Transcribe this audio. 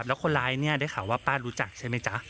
แล้วคนร้ายเนี่ยได้ข่าวว่าป้ารู้จักใช่ไหมจ๊ะ